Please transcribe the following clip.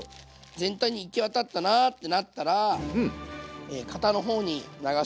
全体に行き渡ったなってなったら型の方に流し入れていきます。